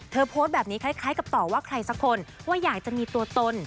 โพสต์แบบนี้คล้ายกับต่อว่าใครสักคนว่าอยากจะมีตัวตน